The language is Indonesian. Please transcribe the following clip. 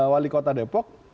wali kota depok